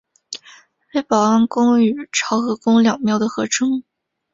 为保安宫与潮和宫两庙的合称。